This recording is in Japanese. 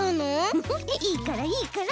フフいいからいいから！